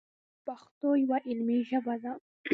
پښتو یوه علمي ژبه ده.